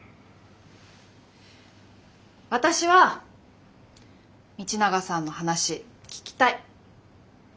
私は道永さんの話聞きたい。